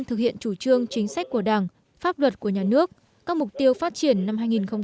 thực hiện chủ trương chính sách của đảng pháp luật của nhà nước các mục tiêu phát triển năm hai nghìn hai mươi